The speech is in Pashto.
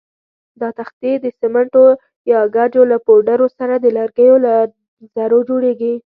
دا تختې د سمنټو یا ګچو له پوډرو سره د لرګیو له ذرو جوړېږي.